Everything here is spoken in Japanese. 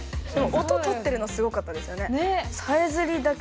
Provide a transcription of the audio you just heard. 音録ってるのすごかったですよね。ね。